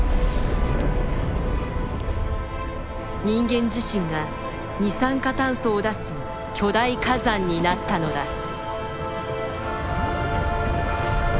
人間自身が二酸化炭素を出す巨大火山になったのだ。